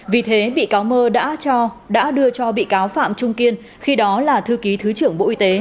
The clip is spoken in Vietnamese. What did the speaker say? vì thế bị cáo mơ đã đưa cho bị cáo phạm trung kiên khi đó là thư ký thứ trưởng bộ y tế